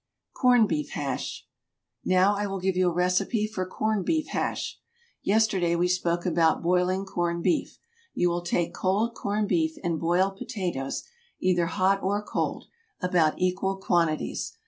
CORNED BEEF HASH. Now I will give you a recipe for corned beef hash. Yesterday we spoke about boiling corned beef. You will take cold corned beef and boiled potatoes, either hot or cold, about equal quantities.